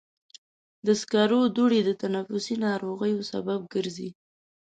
د سکرو دوړې د تنفسي ناروغیو سبب ګرځي.